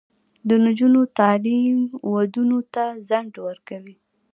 د نجونو تعلیم ودونو ته ځنډ ورکوي.